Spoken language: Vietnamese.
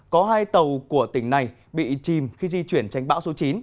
có hai tàu của tỉnh này bị chìm khi di chuyển tránh bão số chín